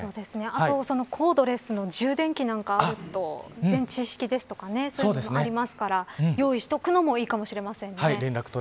あとはコードレスの充電器なんかもあると電池式ですとかねそういうのもありますから用意しておくのもいいかもしれません。